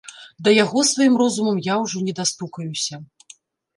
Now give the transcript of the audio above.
Да яго сваім розумам я ўжо не дастукаюся.